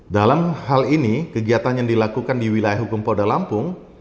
dalam hal ini kegiatan yang dilakukan di wilayah hukum polda lampung